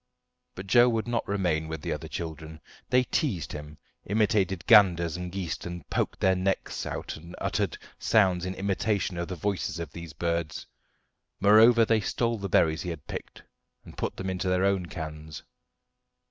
But Joe would not remain with the other children. They teased him, imitated ganders and geese, and poked out their necks and uttered sounds in imitation of the voices of these birds. Moreover, they stole the berries he had picked, and put them into their own cans.